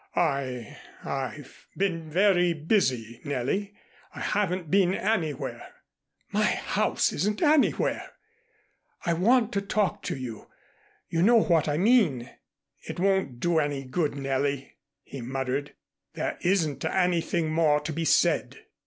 "I I've been very busy, Nellie. I haven't been anywhere." "My house isn't 'anywhere.' I want to talk to you you know what I mean." "It won't do any good, Nellie," he muttered. "There isn't anything more to be said."